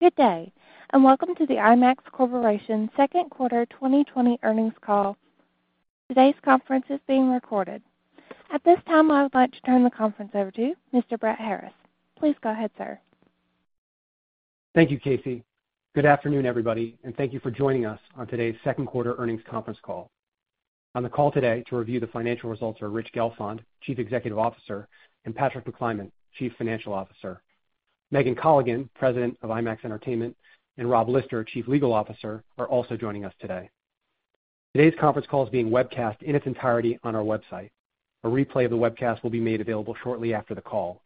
Good day, and welcome to the IMAX Corporation Second Quarter 2020 Earnings Call. Today's conference is being recorded. At this time, I would like to turn the conference over to Mr. Brett Harriss. Please go ahead, sir. Thank you, Casey. Good afternoon, everybody, and thank you for joining us on today's second quarter earnings conference call. On the call today to review the financial results are Rich Gelfond, Chief Executive Officer, and Patrick McClymont, Chief Financial Officer. Megan Colligan, President of IMAX Entertainment, and Rob Lister, Chief Legal Officer, are also joining us today. Today's conference call is being webcast in its entirety on our website. A replay of the webcast will be made available shortly after the call.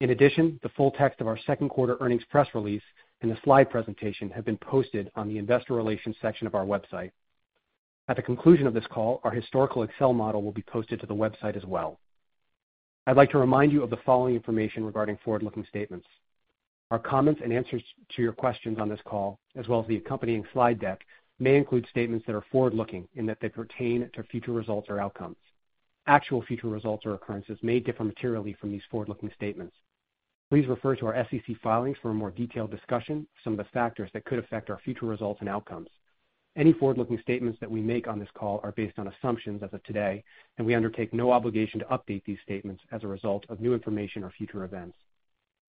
In addition, the full text of our second quarter earnings press release and the slide presentation have been posted on the investor relations section of our website. At the conclusion of this call, our historical Excel model will be posted to the website as well. I'd like to remind you of the following information regarding forward-looking statements. Our comments and answers to your questions on this call, as well as the accompanying slide deck, may include statements that are forward-looking in that they pertain to future results or outcomes. Actual future results or occurrences may differ materially from these forward-looking statements. Please refer to our SEC filings for a more detailed discussion of some of the factors that could affect our future results and outcomes. Any forward-looking statements that we make on this call are based on assumptions as of today, and we undertake no obligation to update these statements as a result of new information or future events.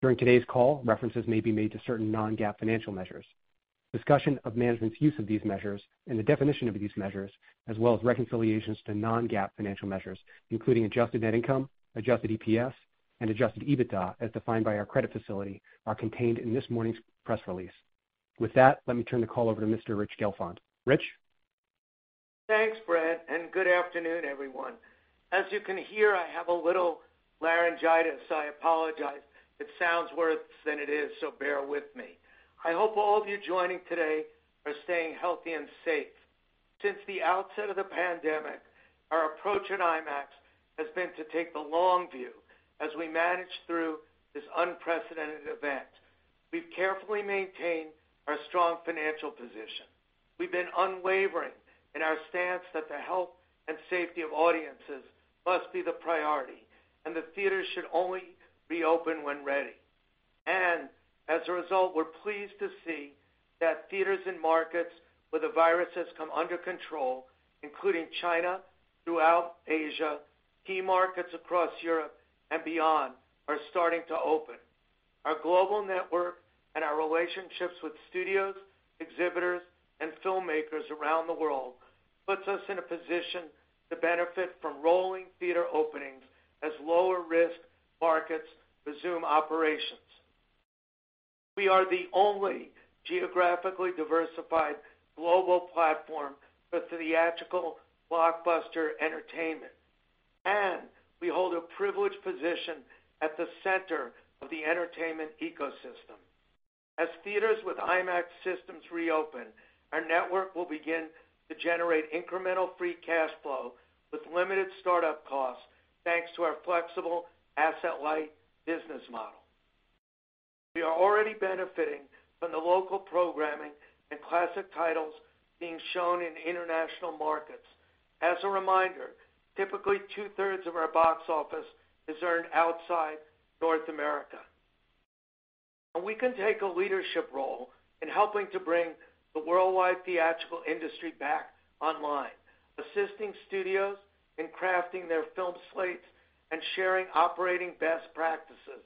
During today's call, references may be made to certain non-GAAP financial measures. Discussion of management's use of these measures and the definition of these measures, as well as reconciliations to non-GAAP financial measures, including adjusted net income, adjusted EPS, and adjusted EBITDA as defined by our credit facility, are contained in this morning's press release. With that, let me turn the call over to Mr. Rich Gelfond. Rich? Thanks, Brett, and good afternoon, everyone. As you can hear, I have a little laryngitis. I apologize. It sounds worse than it is, so bear with me. I hope all of you joining today are staying healthy and safe. Since the outset of the pandemic, our approach at IMAX has been to take the long view as we manage through this unprecedented event. We've carefully maintained our strong financial position. We've been unwavering in our stance that the health and safety of audiences must be the priority, and the theaters should only reopen when ready, and as a result, we're pleased to see that theaters and markets where the virus has come under control, including China throughout Asia, key markets across Europe and beyond, are starting to open. Our global network and our relationships with studios, exhibitors, and filmmakers around the world put us in a position to benefit from rolling theater openings as lower-risk markets resume operations. We are the only geographically diversified global platform for theatrical blockbuster entertainment, and we hold a privileged position at the center of the entertainment ecosystem. As theaters with IMAX systems reopen, our network will begin to generate incremental free cash flow with limited startup costs thanks to our flexible asset-light business model. We are already benefiting from the local programming and classic titles being shown in international markets. As a reminder, typically two-thirds of our box office is earned outside North America. And we can take a leadership role in helping to bring the worldwide theatrical industry back online, assisting studios in crafting their film slates and sharing operating best practices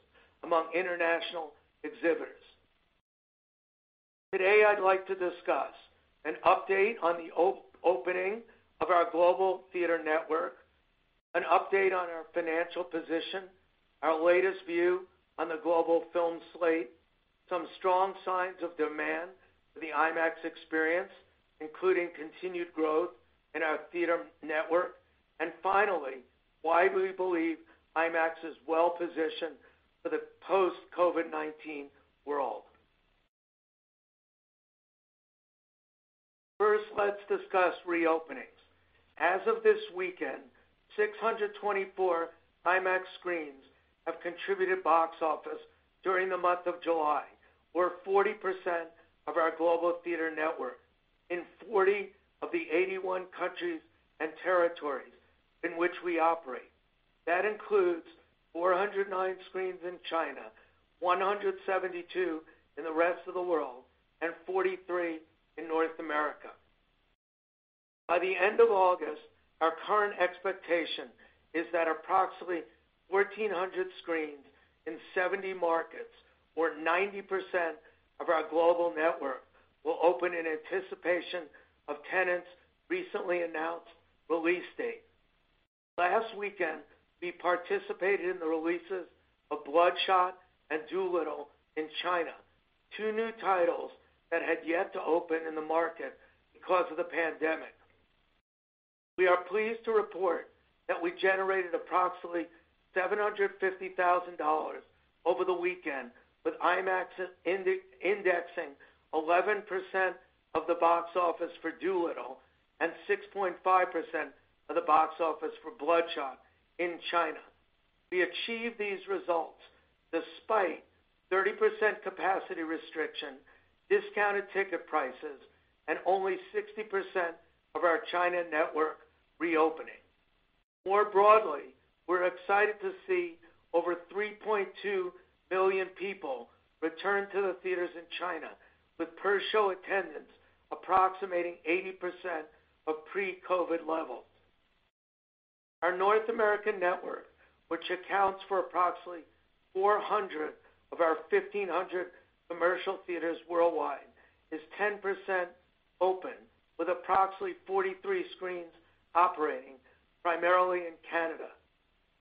among international exhibitors. Today, I'd like to discuss an update on the opening of our global theater network, an update on our financial position, our latest view on the global film slate, some strong signs of demand for the IMAX experience, including continued growth in our theater network, and finally, why we believe IMAX is well-positioned for the post-COVID-19 world. First, let's discuss reopenings. As of this weekend, 624 IMAX screens have contributed box office during the month of July. We're 40% of our global theater network in 40 of the 81 countries and territories in which we operate. That includes 409 screens in China, 172 in the rest of the world, and 43 in North America. By the end of August, our current expectation is that approximately 1,400 screens in 70 markets, or 90% of our global network, will open in anticipation of Tenet’s recently announced release dates. Last weekend, we participated in the releases of Bloodshot and Dolittle in China, two new titles that had yet to open in the market because of the pandemic. We are pleased to report that we generated approximately $750,000 over the weekend, with IMAX indexing 11% of the box office for Dolittle and 6.5% of the box office for Bloodshot in China. We achieved these results despite 30% capacity restriction, discounted ticket prices, and only 60% of our China network reopening. More broadly, we're excited to see over 3.2 million people return to the theaters in China, with per-show attendance approximating 80% of pre-COVID levels. Our North American network, which accounts for approximately 400 of our 1,500 commercial theaters worldwide, is 10% open, with approximately 43 screens operating primarily in Canada.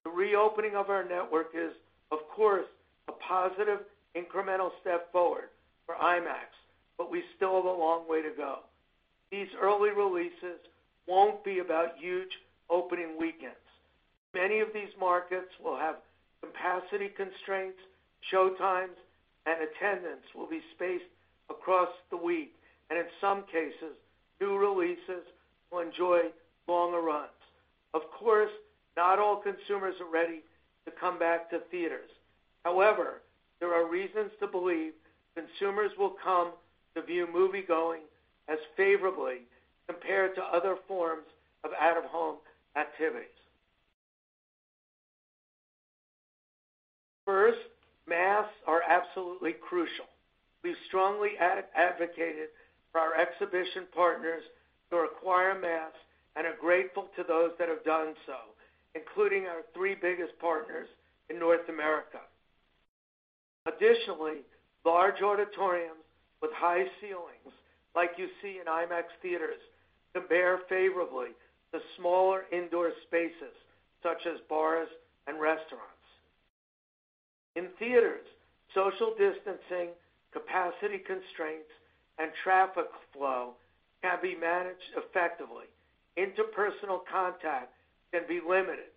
The reopening of our network is, of course, a positive incremental step forward for IMAX, but we still have a long way to go. These early releases won't be about huge opening weekends. Many of these markets will have capacity constraints, showtimes, and attendance will be spaced across the week, and in some cases, new releases will enjoy longer runs. Of course, not all consumers are ready to come back to theaters. However, there are reasons to believe consumers will come to view moviegoing as favorably compared to other forms of out-of-home activities. First, masks are absolutely crucial. We've strongly advocated for our exhibition partners to require masks and are grateful to those that have done so, including our three biggest partners in North America. Additionally, large auditoriums with high ceilings, like you see in IMAX theaters, compare favorably to smaller indoor spaces such as bars and restaurants. In theaters, social distancing, capacity constraints, and traffic flow can be managed effectively. Interpersonal contact can be limited.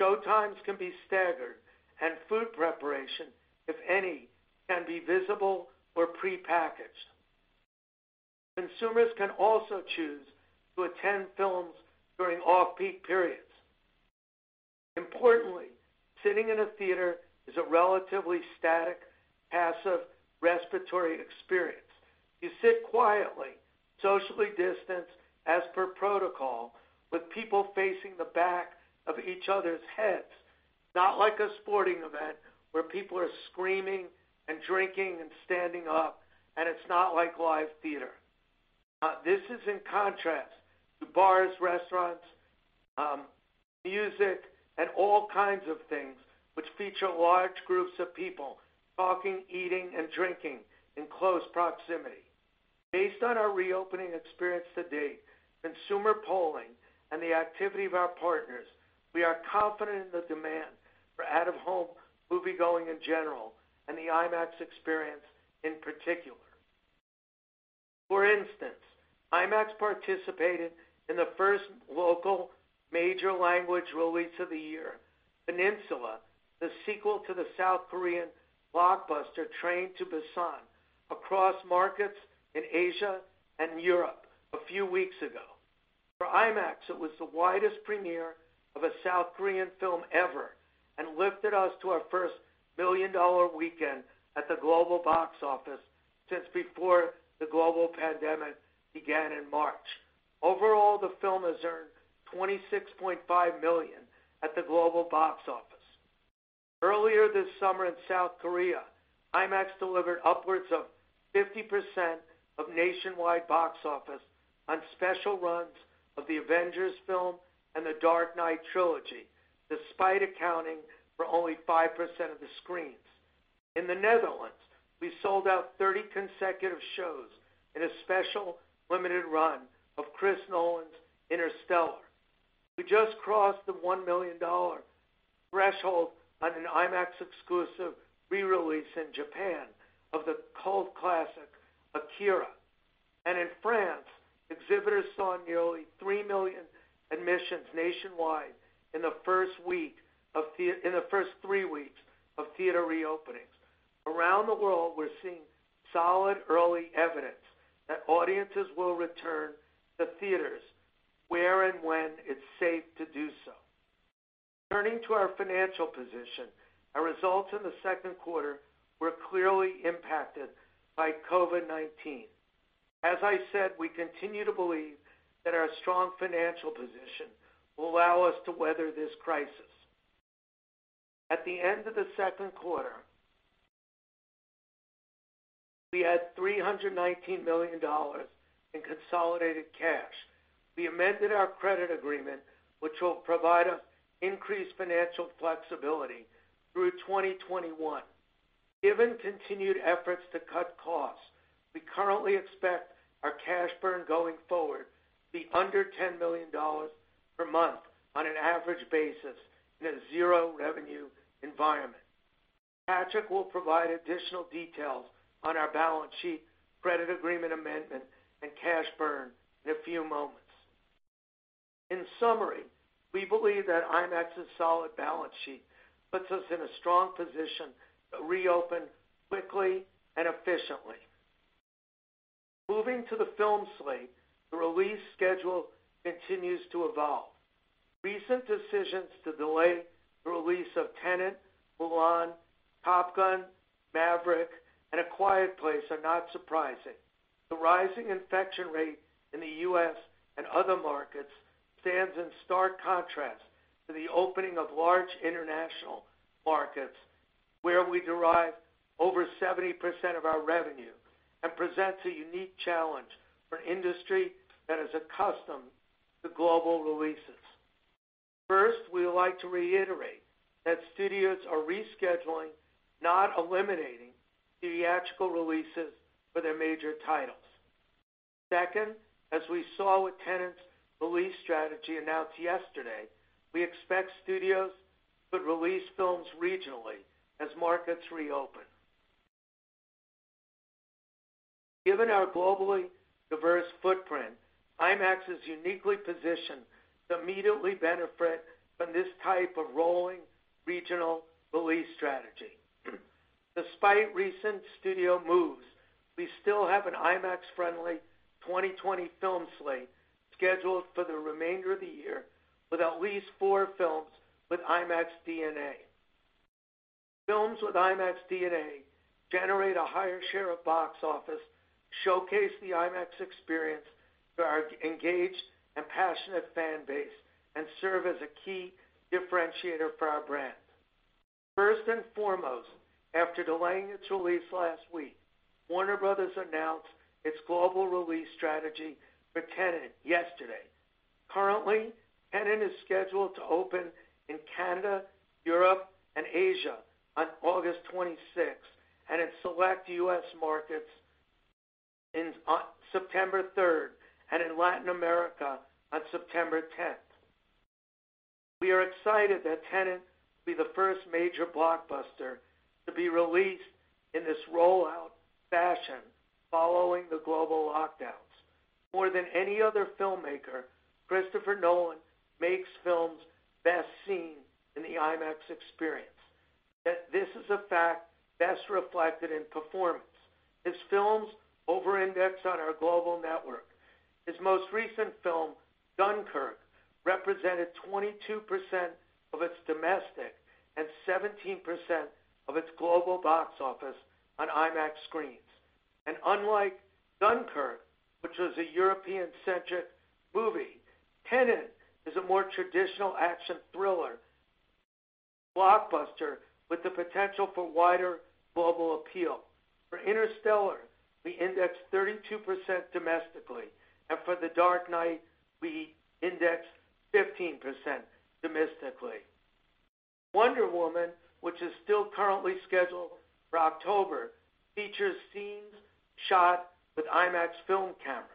Showtimes can be staggered, and food preparation, if any, can be visible or prepackaged. Consumers can also choose to attend films during off-peak periods. Importantly, sitting in a theater is a relatively static, passive respiratory experience. You sit quietly, socially distanced as per protocol, with people facing the back of each other's heads, not like a sporting event where people are screaming and drinking and standing up, and it's not like live theater. This is in contrast to bars, restaurants, music, and all kinds of things which feature large groups of people talking, eating, and drinking in close proximity. Based on our reopening experience to date, consumer polling, and the activity of our partners, we are confident in the demand for out-of-home moviegoing in general and the IMAX experience in particular. For instance, IMAX participated in the first local major language release of the year, Peninsula, the sequel to the South Korean blockbuster Train to Busan, across markets in Asia and Europe a few weeks ago. For IMAX, it was the widest premiere of a South Korean film ever and lifted us to our first million-dollar weekend at the global box office since before the global pandemic began in March. Overall, the film has earned $26.5 million at the global box office. Earlier this summer in South Korea, IMAX delivered upwards of 50% of nationwide box office on special runs of the Avengers film and the Dark Knight trilogy, despite accounting for only 5% of the screens. In the Netherlands, we sold out 30 consecutive shows in a special limited run of Chris Nolan's Interstellar. We just crossed the $1 million threshold on an IMAX-exclusive re-release in Japan of the cult classic Akira, and in France, exhibitors saw nearly three million admissions nationwide in the first three weeks of theater reopenings. Around the world, we're seeing solid early evidence that audiences will return to theaters where and when it's safe to do so. Turning to our financial position, our results in the second quarter were clearly impacted by COVID-19. As I said, we continue to believe that our strong financial position will allow us to weather this crisis. At the end of the second quarter, we had $319 million in consolidated cash. We amended our credit agreement, which will provide us increased financial flexibility through 2021. Given continued efforts to cut costs, we currently expect our cash burn going forward to be under $10 million per month on an average basis in a zero-revenue environment. Patrick will provide additional details on our balance sheet, credit agreement amendment, and cash burn in a few moments. In summary, we believe that IMAX's solid balance sheet puts us in a strong position to reopen quickly and efficiently. Moving to the film slate, the release schedule continues to evolve. Recent decisions to delay the release of Tenet, Mulan, Top Gun: Maverick, and A Quiet Place are not surprising. The rising infection rate in the U.S. and other markets stands in stark contrast to the opening of large international markets, where we derive over 70% of our revenue and present a unique challenge for an industry that is accustomed to global releases. First, we would like to reiterate that studios are rescheduling, not eliminating, theatrical releases for their major titles. Second, as we saw with Tenet's release strategy announced yesterday, we expect studios could release films regionally as markets reopen. Given our globally diverse footprint, IMAX is uniquely positioned to immediately benefit from this type of rolling regional release strategy. Despite recent studio moves, we still have an IMAX-friendly 2020 film slate scheduled for the remainder of the year with at least four films with IMAX DNA. Films with IMAX DNA generate a higher share of box office, showcase the IMAX experience for our engaged and passionate fanbase, and serve as a key differentiator for our brand. First and foremost, after delaying its release last week, Warner Bros. announced its global release strategy for Tenet yesterday. Currently, Tenet is scheduled to open in Canada, Europe, and Asia on August 26, and its select U.S. markets on September 3rd, and in Latin America on September 10. We are excited that Tenet will be the first major blockbuster to be released in this rollout fashion following the global lockdowns. More than any other filmmaker, Christopher Nolan makes films best seen in the IMAX experience. This is a fact best reflected in performance. His films over-index on our global network. His most recent film, Dunkirk, represented 22% of its domestic and 17% of its global box office on IMAX screens, and unlike Dunkirk, which was a European-centric movie, Tenet is a more traditional action thriller blockbuster with the potential for wider global appeal. For Interstellar, we indexed 32% domestically, and for The Dark Knight, we indexed 15% domestically. Wonder Woman, which is still currently scheduled for October, features scenes shot with IMAX film cameras.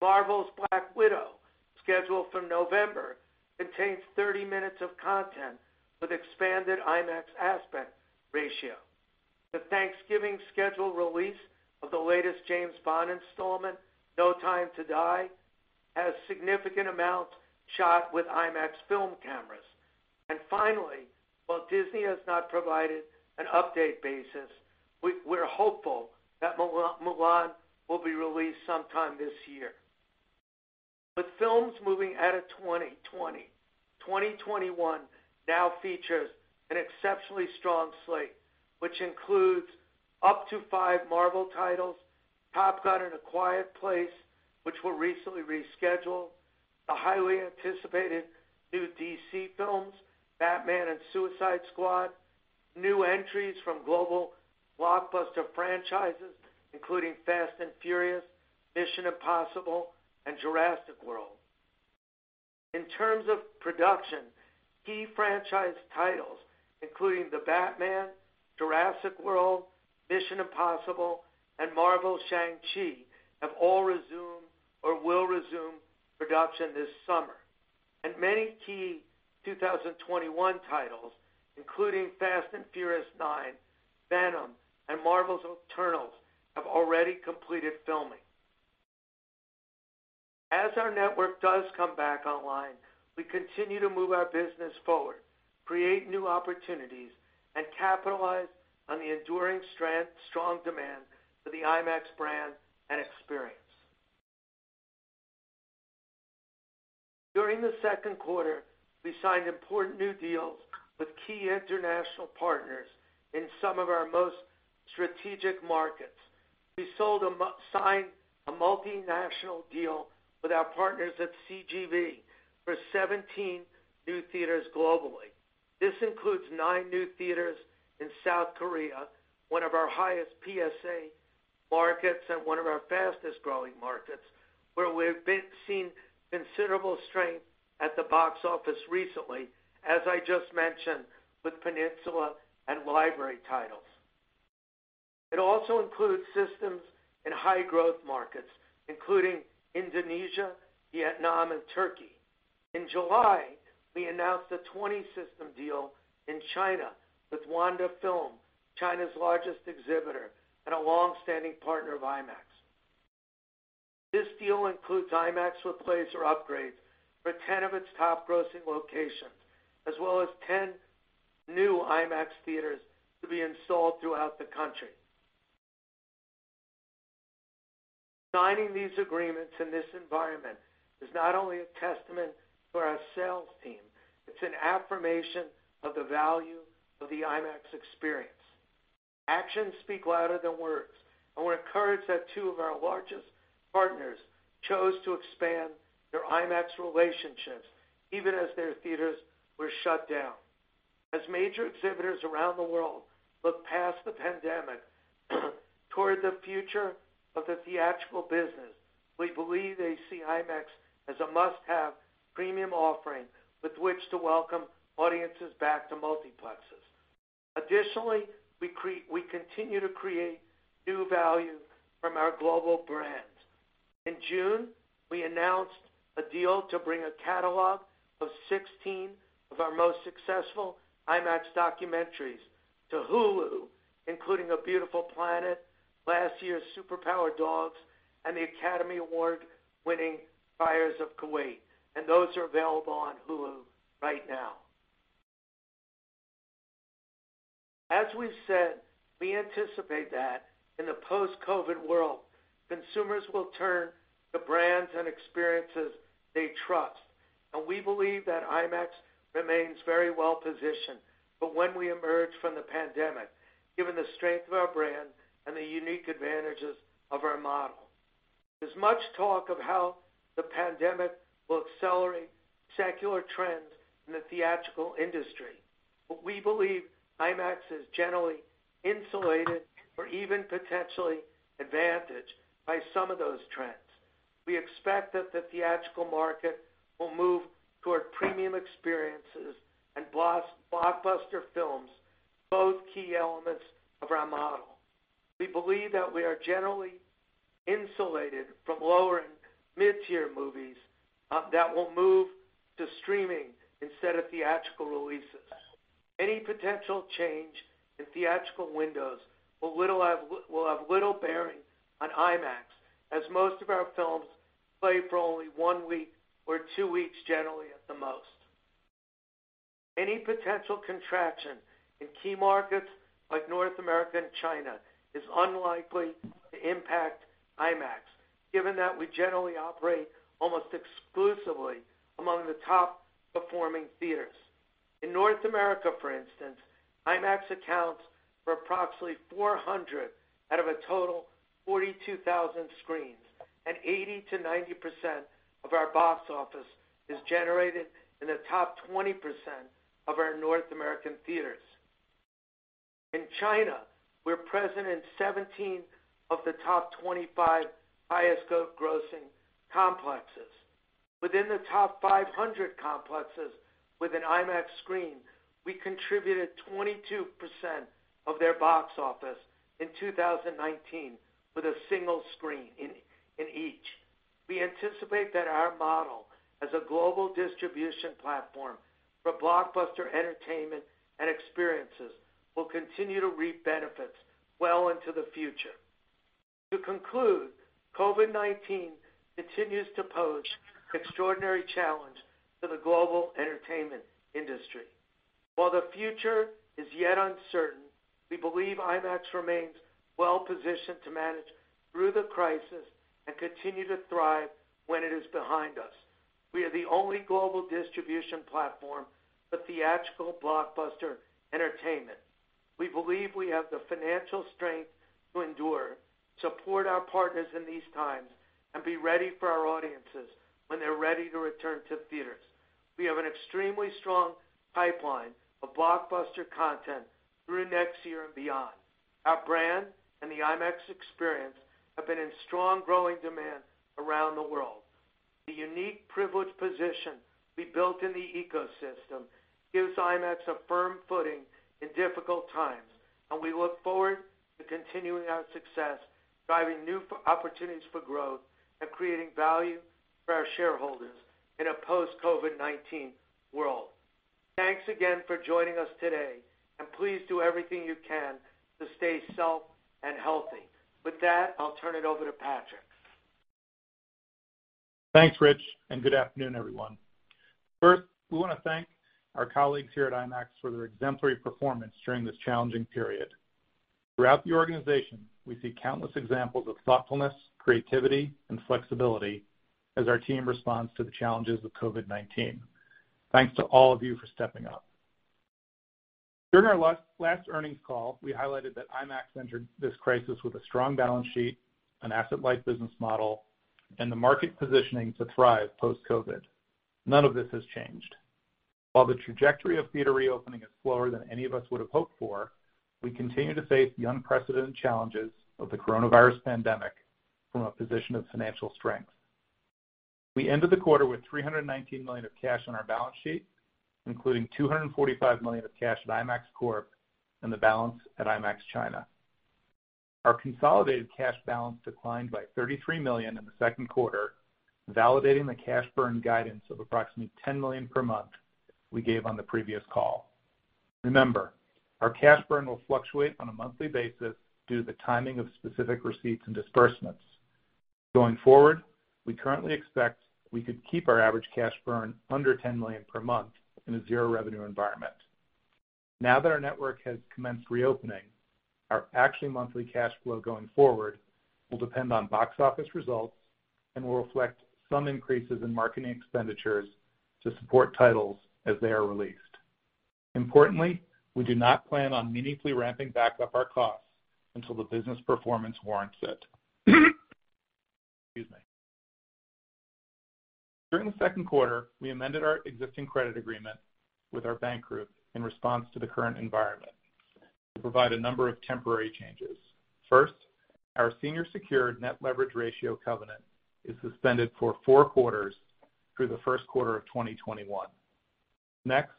Marvel's Black Widow, scheduled for November, contains 30 minutes of content with an expanded IMAX aspect ratio. The Thanksgiving scheduled release of the latest James Bond installment, No Time to Die, has significant amounts shot with IMAX film cameras. Finally, while Disney has not provided an update basis, we're hopeful that Mulan will be released sometime this year. With films moving out of 2020, 2021 now features an exceptionally strong slate, which includes up to five Marvel titles, Top Gun and A Quiet Place, which were recently rescheduled, the highly anticipated new DC films, Batman and Suicide Squad, new entries from global blockbuster franchises, including Fast and Furious, Mission: Impossible, and Jurassic World. In terms of production, key franchise titles, including The Batman, Jurassic World, Mission: Impossible, and Marvel Shang-Chi, have all resumed or will resume production this summer. Many key 2021 titles, including Fast and Furious 9, Venom, and Marvel's Eternals, have already completed filming. As our network does come back online, we continue to move our business forward, create new opportunities, and capitalize on the enduring strong demand for the IMAX brand and experience. During the second quarter, we signed important new deals with key international partners in some of our most strategic markets. We signed a multinational deal with our partners at CGV for 17 new theaters globally. This includes nine new theaters in South Korea, one of our highest PSA markets and one of our fastest-growing markets, where we've seen considerable strength at the box office recently, as I just mentioned, with Peninsula and library titles. It also includes systems in high-growth markets, including Indonesia, Vietnam, and Turkey. In July, we announced a 20-system deal in China with Wanda Film, China's largest exhibitor and a longstanding partner of IMAX. This deal includes IMAX with Laser upgrades for 10 of its top-grossing locations, as well as 10 new IMAX theaters to be installed throughout the country. Signing these agreements in this environment is not only a testament to our sales team. It's an affirmation of the value of the IMAX experience. Actions speak louder than words, and we're encouraged that two of our largest partners chose to expand their IMAX relationships even as their theaters were shut down. As major exhibitors around the world look past the pandemic toward the future of the theatrical business, we believe they see IMAX as a must-have premium offering with which to welcome audiences back to multiplexes. Additionally, we continue to create new value from our global brands. In June, we announced a deal to bring a catalog of 16 of our most successful IMAX documentaries to Hulu, including A Beautiful Planet, last year's Superpower Dogs, and the Academy Award-winning Fires of Kuwait, and those are available on Hulu right now. As we've said, we anticipate that in the post-COVID world, consumers will turn to brands and experiences they trust, and we believe that IMAX remains very well-positioned for when we emerge from the pandemic, given the strength of our brand and the unique advantages of our model. There's much talk of how the pandemic will accelerate secular trends in the theatrical industry, but we believe IMAX is generally insulated or even potentially advantaged by some of those trends. We expect that the theatrical market will move toward premium experiences and blockbuster films, both key elements of our model. We believe that we are generally insulated from lower and mid-tier movies that will move to streaming instead of theatrical releases. Any potential change in theatrical windows will have little bearing on IMAX, as most of our films play for only one week or two weeks generally at the most. Any potential contraction in key markets like North America and China is unlikely to impact IMAX, given that we generally operate almost exclusively among the top-performing theaters. In North America, for instance, IMAX accounts for approximately 400 out of a total 42,000 screens, and 80%-90% of our box office is generated in the top 20% of our North American theaters. In China, we're present in 17 of the top 25 highest-grossing complexes. Within the top 500 complexes with an IMAX screen, we contributed 22% of their box office in 2019 with a single screen in each. We anticipate that our model as a global distribution platform for blockbuster entertainment and experiences will continue to reap benefits well into the future. To conclude, COVID-19 continues to pose an extraordinary challenge to the global entertainment industry. While the future is yet uncertain, we believe IMAX remains well-positioned to manage through the crisis and continue to thrive when it is behind us. We are the only global distribution platform for theatrical blockbuster entertainment. We believe we have the financial strength to endure, support our partners in these times, and be ready for our audiences when they're ready to return to theaters. We have an extremely strong pipeline of blockbuster content through next year and beyond. Our brand and the IMAX Experience have been in strong growing demand around the world. The unique privileged position we built in the ecosystem gives IMAX a firm footing in difficult times, and we look forward to continuing our success, driving new opportunities for growth, and creating value for our shareholders in a post-COVID-19 world. Thanks again for joining us today, and please do everything you can to stay safe and healthy. With that, I'll turn it over to Patrick. Thanks, Rich, and good afternoon, everyone. First, we want to thank our colleagues here at IMAX for their exemplary performance during this challenging period. Throughout the organization, we see countless examples of thoughtfulness, creativity, and flexibility as our team responds to the challenges of COVID-19. Thanks to all of you for stepping up. During our last earnings call, we highlighted that IMAX entered this crisis with a strong balance sheet, an asset-light business model, and the market positioning to thrive post-COVID. None of this has changed. While the trajectory of theater reopening is slower than any of us would have hoped for, we continue to face the unprecedented challenges of the coronavirus pandemic from a position of financial strength. We ended the quarter with $319 million of cash on our balance sheet, including $245 million of cash at IMAX Corp and the balance at IMAX China. Our consolidated cash balance declined by $33 million in the second quarter, validating the cash burn guidance of approximately $10 million per month we gave on the previous call. Remember, our cash burn will fluctuate on a monthly basis due to the timing of specific receipts and disbursements. Going forward, we currently expect we could keep our average cash burn under $10 million per month in a zero-revenue environment. Now that our network has commenced reopening, our actual monthly cash flow going forward will depend on box office results and will reflect some increases in marketing expenditures to support titles as they are released. Importantly, we do not plan on meaningfully ramping back up our costs until the business performance warrants it. Excuse me. During the second quarter, we amended our existing credit agreement with our bank group in response to the current environment to provide a number of temporary changes. First, our senior-secured net leverage ratio covenant is suspended for four quarters through the first quarter of 2021. Next,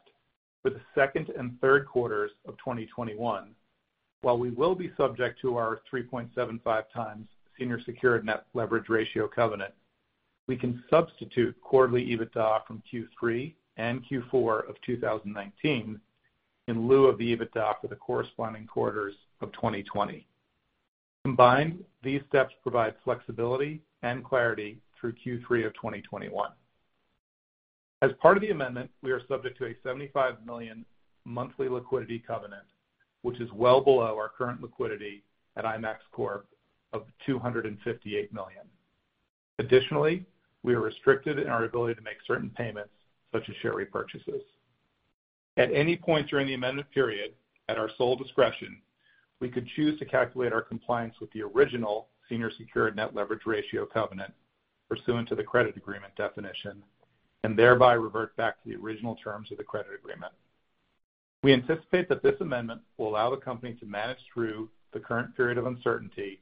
for the second and third quarters of 2021, while we will be subject to our 3.75 times senior-secured net leverage ratio covenant, we can substitute quarterly EBITDA from Q3 and Q4 of 2019 in lieu of the EBITDA for the corresponding quarters of 2020. Combined, these steps provide flexibility and clarity through Q3 of 2021. As part of the amendment, we are subject to a $75 million monthly liquidity covenant, which is well below our current liquidity at IMAX Corp of $258 million. Additionally, we are restricted in our ability to make certain payments, such as share repurchases. At any point during the amendment period, at our sole discretion, we could choose to calculate our compliance with the original senior-secured net leverage ratio covenant pursuant to the credit agreement definition and thereby revert back to the original terms of the credit agreement. We anticipate that this amendment will allow the company to manage through the current period of uncertainty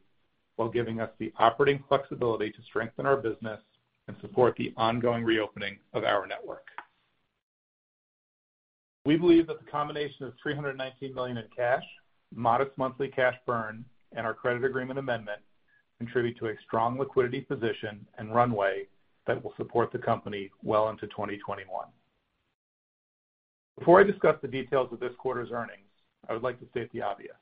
while giving us the operating flexibility to strengthen our business and support the ongoing reopening of our network. We believe that the combination of $319 million in cash, modest monthly cash burn, and our credit agreement amendment contribute to a strong liquidity position and runway that will support the company well into 2021. Before I discuss the details of this quarter's earnings, I would like to state the obvious: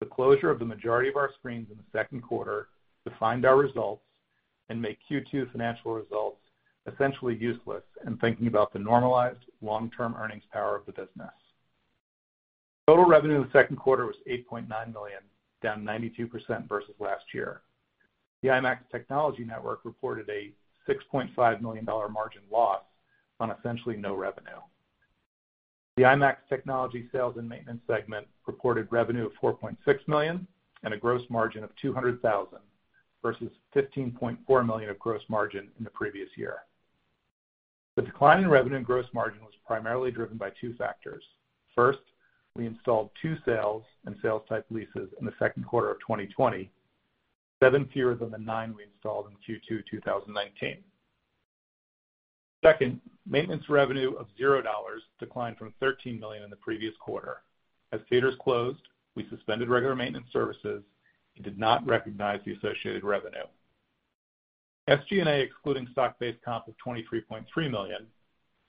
the closure of the majority of our screens in the second quarter defined our results and made Q2 financial results essentially useless in thinking about the normalized long-term earnings power of the business. Total revenue in the second quarter was $8.9 million, down 92% versus last year. The IMAX Technology Network reported a $6.5 million margin loss on essentially no revenue. The IMAX Technology Sales and Maintenance segment reported revenue of $4.6 million and a gross margin of $200,000 versus $15.4 million of gross margin in the previous year. The decline in revenue and gross margin was primarily driven by two factors. First, we installed two sales and sales-type leases in the second quarter of 2020, seven fewer than the nine we installed in Q2 2019. Second, maintenance revenue of $0 declined from $13 million in the previous quarter. As theaters closed, we suspended regular maintenance services and did not recognize the associated revenue. SG&A excluding stock-based comp of $23.3 million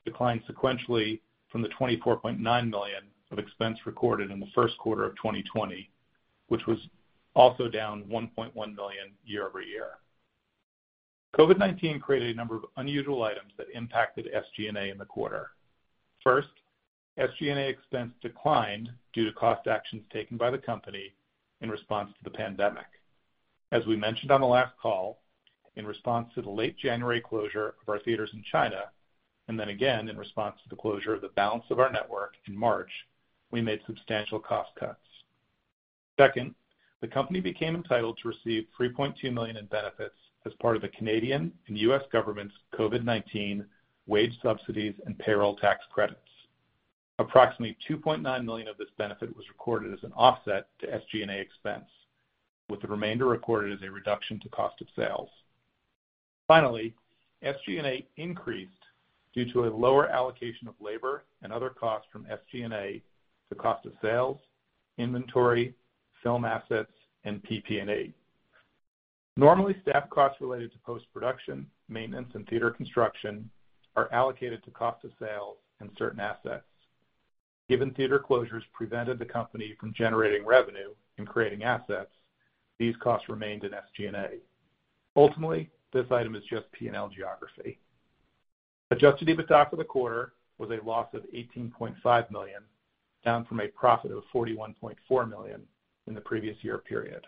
declined sequentially from the $24.9 million of expense recorded in the first quarter of 2020, which was also down $1.1 million year over year. COVID-19 created a number of unusual items that impacted SG&A in the quarter. First, SG&A expense declined due to cost actions taken by the company in response to the pandemic. As we mentioned on the last call, in response to the late January closure of our theaters in China and then again in response to the closure of the balance of our network in March, we made substantial cost cuts. Second, the company became entitled to receive $3.2 million in benefits as part of the Canadian and U.S. government's COVID-19 wage subsidies and payroll tax credits. Approximately $2.9 million of this benefit was recorded as an offset to SG&A expense, with the remainder recorded as a reduction to cost of sales. Finally, SG&A increased due to a lower allocation of labor and other costs from SG&A to cost of sales, inventory, film assets, and PP&E. Normally, staff costs related to post-production, maintenance, and theater construction are allocated to cost of sales and certain assets. Given theater closures prevented the company from generating revenue and creating assets, these costs remained in SG&A. Ultimately, this item is just P&L geography. Adjusted EBITDA for the quarter was a loss of $18.5 million, down from a profit of $41.4 million in the previous year period.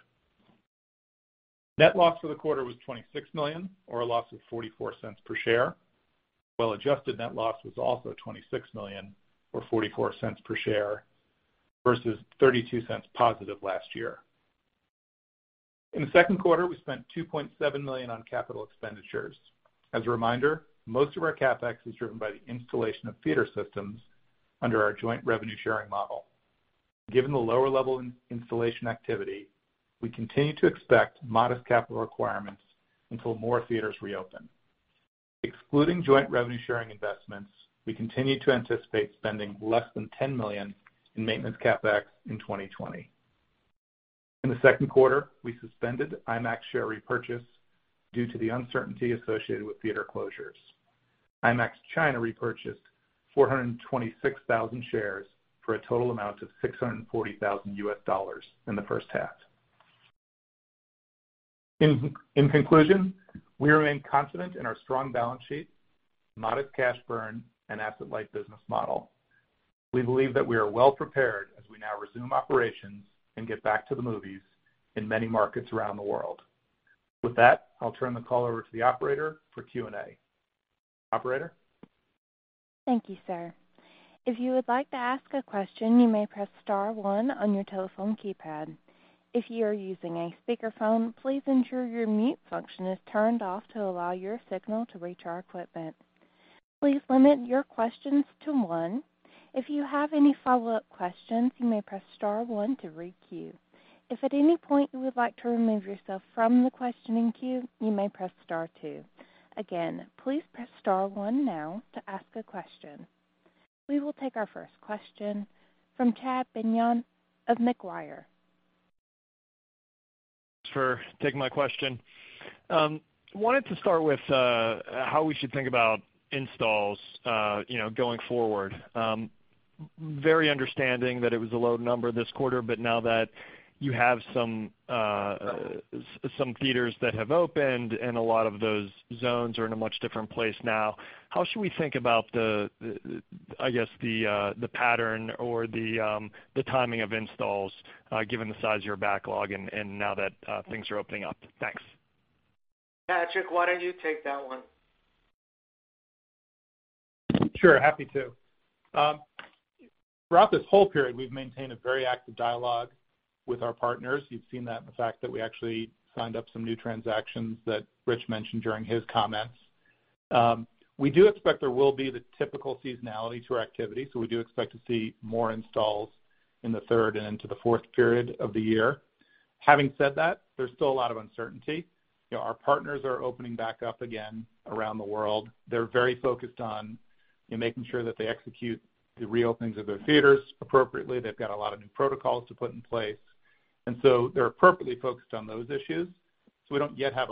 Net loss for the quarter was $26 million, or a loss of $0.44 per share, while adjusted net loss was also $26 million, or $0.44 per share, versus $0.32 positive last year. In the second quarter, we spent $2.7 million on capital expenditures. As a reminder, most of our CapEx is driven by the installation of theater systems under our joint revenue-sharing model. Given the lower-level installation activity, we continue to expect modest capital requirements until more theaters reopen. Excluding joint revenue-sharing investments, we continue to anticipate spending less than $10 million in maintenance CapEx in 2020. In the second quarter, we suspended IMAX share repurchase due to the uncertainty associated with theater closures. IMAX China repurchased 426,000 shares for a total amount of $640,000 in the first half. In conclusion, we remain confident in our strong balance sheet, modest cash burn, and asset-light business model. We believe that we are well-prepared as we now resume operations and get back to the movies in many markets around the world. With that, I'll turn the call over to the operator for Q&A. Operator? Thank you, sir. If you would like to ask a question, you may press star one on your telephone keypad. If you are using a speakerphone, please ensure your mute function is turned off to allow your signal to reach our equipment. Please limit your questions to one. If you have any follow-up questions, you may press star one to re-queue. If at any point you would like to remove yourself from the questioning queue, you may press star two. Again, please press star one now to ask a question. We will take our first question from Chad Beynon of Macquarie. Thanks for taking my question. I wanted to start with how we should think about installs going forward. Very understanding that it was a low number this quarter, but now that you have some theaters that have opened and a lot of those zones are in a much different place now, how should we think about, I guess, the pattern or the timing of installs given the size of your backlog and now that things are opening up? Thanks. Patrick, why don't you take that one? Sure, happy to. Throughout this whole period, we've maintained a very active dialogue with our partners. You've seen that in the fact that we actually signed up some new transactions that Rich mentioned during his comments. We do expect there will be the typical seasonality to our activity, so we do expect to see more installs in the third and into the fourth period of the year. Having said that, there's still a lot of uncertainty. Our partners are opening back up again around the world. They're very focused on making sure that they execute the reopenings of their theaters appropriately. They've got a lot of new protocols to put in place, and so they're appropriately focused on those issues. So we don't yet have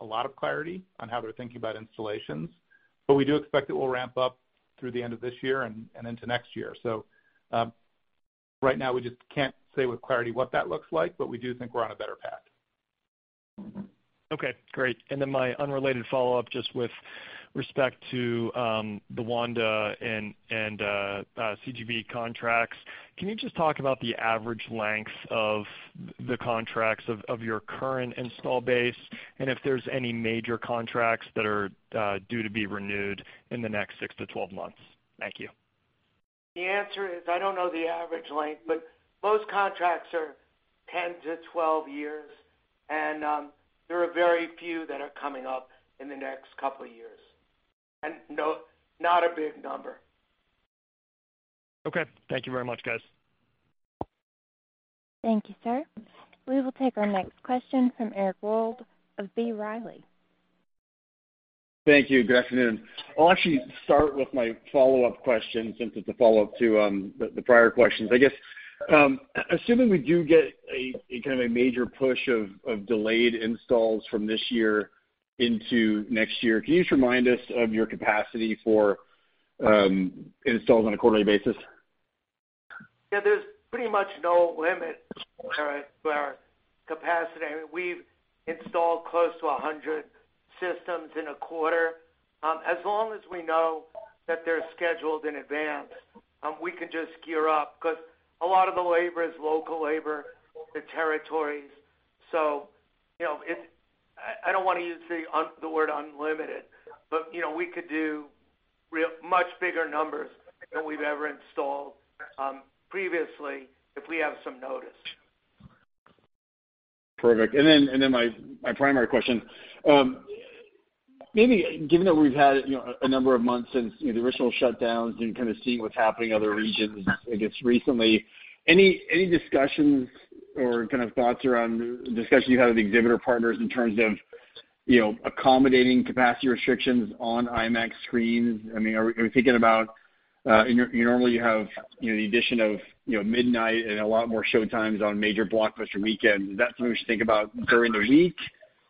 a lot of clarity on how they're thinking about installations, but we do expect it will ramp up through the end of this year and into next year. So right now, we just can't say with clarity what that looks like, but we do think we're on a better path. Okay, great. And then my unrelated follow-up just with respect to the Wanda and CGV contracts. Can you just talk about the average length of the contracts of your current installed base and if there's any major contracts that are due to be renewed in the next 6-12 months? Thank you. The answer is I don't know the average length, but most contracts are 10-12 years, and there are very few that are coming up in the next couple of years. Not a big number. Okay, thank you very much, guys. Thank you, sir. We will take our next question from Eric Wold of B. Riley. Thank you. Good afternoon. I'll actually start with my follow-up question since it's a follow-up to the prior questions. I guess, assuming we do get a kind of a major push of delayed installs from this year into next year, can you just remind us of your capacity for installs on a quarterly basis? Yeah, there's pretty much no limit to our capacity. We've installed close to 100 systems in a quarter. As long as we know that they're scheduled in advance, we can just gear up because a lot of the labor is local labor, the territories. So I don't want to use the word unlimited, but we could do much bigger numbers than we've ever installed previously if we have some notice. Perfect. And then my primary question, maybe given that we've had a number of months since the original shutdowns and kind of seeing what's happening in other regions, I guess, recently, any discussions or kind of thoughts around discussions you had with exhibitor partners in terms of accommodating capacity restrictions on IMAX screens? I mean, are we thinking about normally you have the addition of midnight and a lot more showtimes on major blockbuster weekends? Is that something we should think about during the week?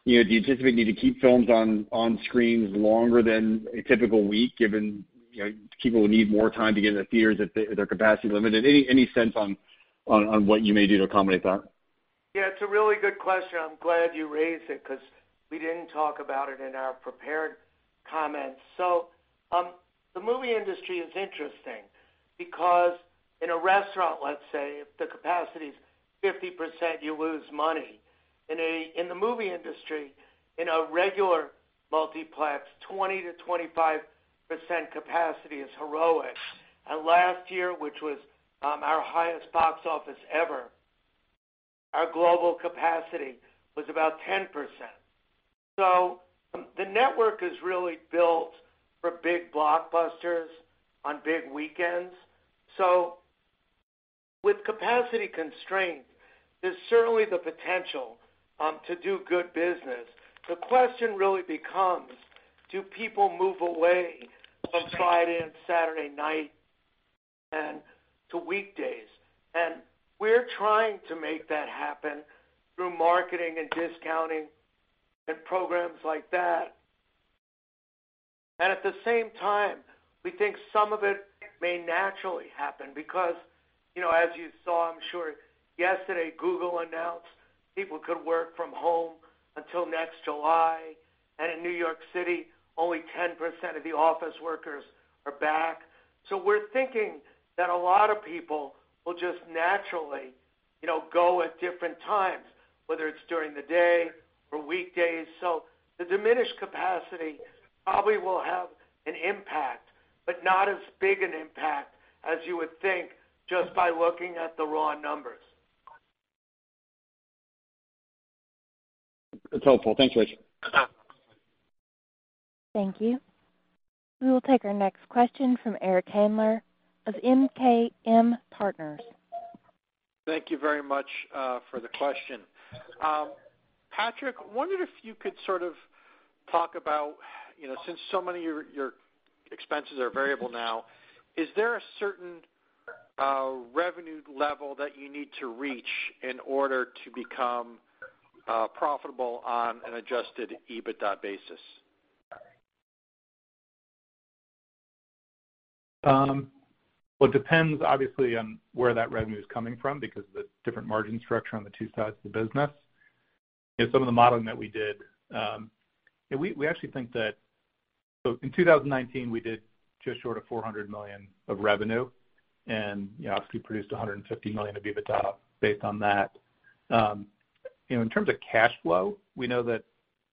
Do you anticipate needing to keep films on screens longer than a typical week given people will need more time to get into theaters if their capacity is limited? Any sense on what you may do to accommodate that? Yeah, it's a really good question. I'm glad you raised it because we didn't talk about it in our prepared comments. So the movie industry is interesting because in a restaurant, let's say, if the capacity is 50%, you lose money. In the movie industry, in a regular multiplex, 20%-25% capacity is heroic. And last year, which was our highest box office ever, our global capacity was about 10%. So the network is really built for big blockbusters on big weekends. So with capacity constraints, there's certainly the potential to do good business. The question really becomes, do people move away from Friday and Saturday night and to weekdays? And we're trying to make that happen through marketing and discounting and programs like that. And at the same time, we think some of it may naturally happen because, as you saw, I'm sure, yesterday Google announced people could work from home until next July. And in New York City, only 10% of the office workers are back. So we're thinking that a lot of people will just naturally go at different times, whether it's during the day or weekdays. So the diminished capacity probably will have an impact, but not as big an impact as you would think just by looking at the raw numbers. That's helpful. Thanks, Rich. Thank you. We will take our next question from Eric Handler of MKM Partners. Thank you very much for the question. Patrick, I wondered if you could sort of talk about, since so many of your expenses are variable now, is there a certain revenue level that you need to reach in order to become profitable on an Adjusted EBITDA basis? Well, it depends, obviously, on where that revenue is coming from because of the different margin structure on the two sides of the business. Some of the modeling that we did, we actually think that in 2019, we did just short of $400 million of revenue and obviously produced $150 million of EBITDA based on that. In terms of cash flow, we know that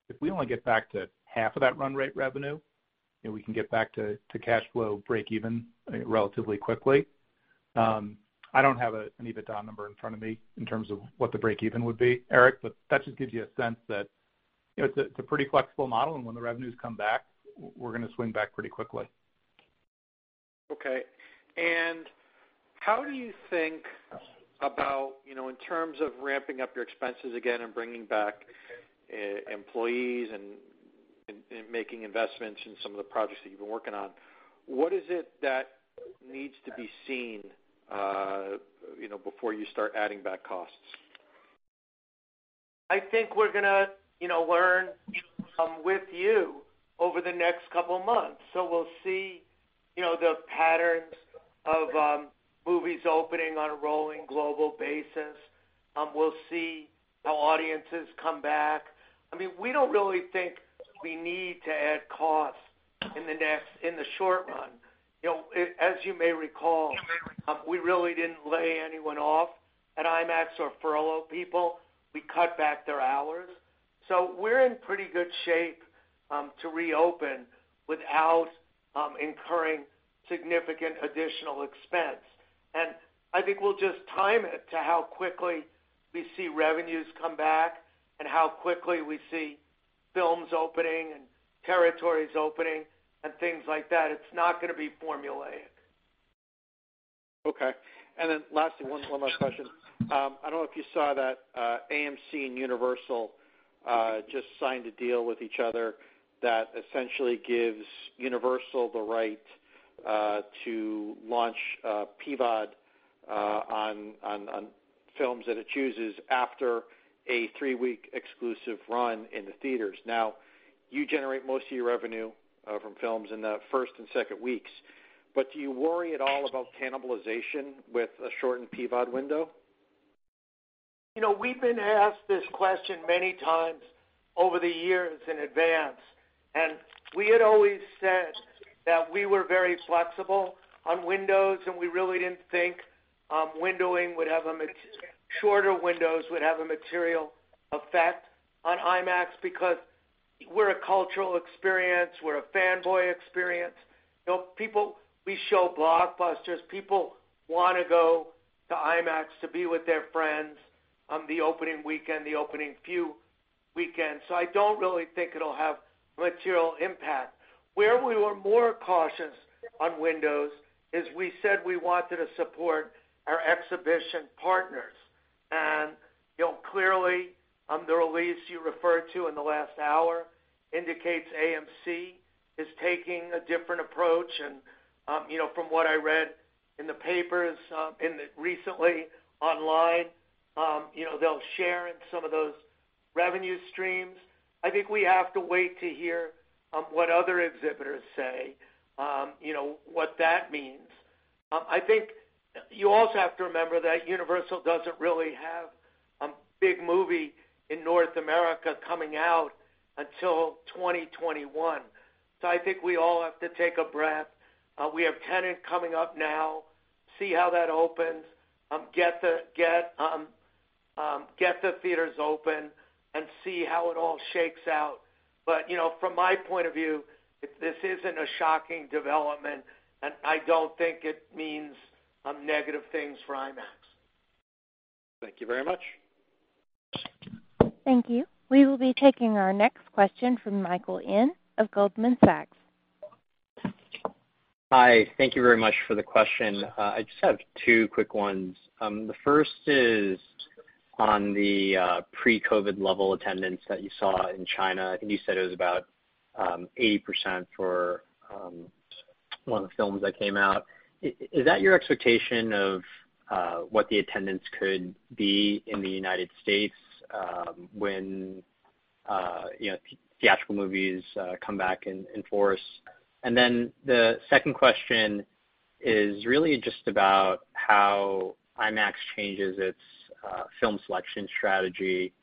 if we only get back to half of that run rate revenue, we can get back to cash flow break-even relatively quickly. I don't have an EBITDA number in front of me in terms of what the break-even would be, Eric, but that just gives you a sense that it's a pretty flexible model, and when the revenues come back, we're going to swing back pretty quickly. Okay. And how do you think about, in terms of ramping up your expenses again and bringing back employees and making investments in some of the projects that you've been working on, what is it that needs to be seen before you start adding back costs? I think we're going to learn with you over the next couple of months. So we'll see the patterns of movies opening on a rolling global basis. We'll see how audiences come back. I mean, we don't really think we need to add costs in the short run. As you may recall, we really didn't lay anyone off at IMAX or furlough people. We cut back their hours. So we're in pretty good shape to reopen without incurring significant additional expense. And I think we'll just time it to how quickly we see revenues come back and how quickly we see films opening and territories opening and things like that. It's not going to be formulaic. Okay. And then lastly, one last question. I don't know if you saw that AMC and Universal just signed a deal with each other that essentially gives Universal the right to launch PVOD on films that it chooses after a three-week exclusive run in the theaters. Now, you generate most of your revenue from films in the first and second weeks, but do you worry at all about cannibalization with a shortened PVOD window? We've been asked this question many times over the years in advance, and we had always said that we were very flexible on windows, and we really didn't think shorter windows would have a material effect on IMAX because we're a cultural experience. We're a fanboy experience. We show blockbusters. People want to go to IMAX to be with their friends on the opening weekend, the opening few weekends. So I don't really think it'll have material impact. Where we were more cautious on windows is we said we wanted to support our exhibition partners. And clearly, the release you referred to in the last hour indicates AMC is taking a different approach. And from what I read in the papers recently online, they'll share in some of those revenue streams. I think we have to wait to hear what other exhibitors say, what that means. I think you also have to remember that Universal doesn't really have a big movie in North America coming out until 2021. So I think we all have to take a breath. We have Tenet coming up now. See how that opens. Get the theaters open and see how it all shakes out. But from my point of view, this isn't a shocking development, and I don't think it means negative things for IMAX. Thank you very much. Thank you. We will be taking our next question from Michael Ng of Goldman Sachs. Hi. Thank you very much for the question. I just have two quick ones. The first is on the pre-COVID level attendance that you saw in China. I think you said it was about 80% for one of the films that came out. Is that your expectation of what the attendance could be in the United States when theatrical movies come back in force? And then the second question is really just about how IMAX changes its film selection strategy